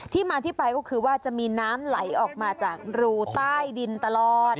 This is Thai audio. ที่มาที่ไปก็คือว่าจะมีน้ำไหลออกมาจากรูใต้ดินตลอด